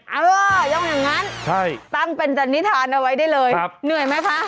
ล่ะยึกดังงั้นตรงเป็นจันนิษฐานเอาไว้ได้เลยเหนื่อยไหมพา